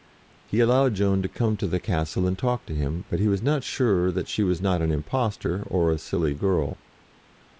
He allowed Joan to come to the castle and talk to him, but he was not sure that she was not an impostor, or a silly girl.